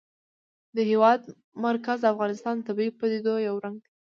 د هېواد مرکز د افغانستان د طبیعي پدیدو یو رنګ دی.